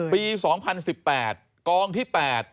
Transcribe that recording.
ปี๒๐๑๘กองที่๘